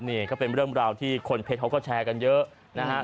นี่ก็เป็นเรื่องมุลที่เราแชร์กันเยอะนะครับ